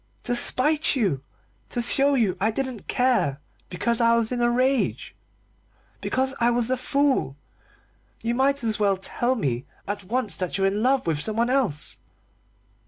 "To spite you to show you I didn't care because I was in a rage because I was a fool! You might as well tell me at once that you're in love with someone else."